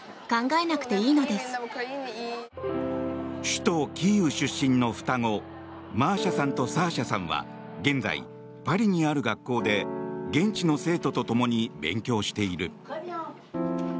首都キーウ出身の双子マーシャさんとサーシャさんは現在、パリにある学校で現地の生徒と共に勉強している。